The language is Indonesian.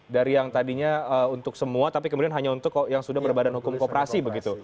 dari yang tadinya untuk semua tapi kemudian hanya untuk yang sudah berbadan hukum kooperasi begitu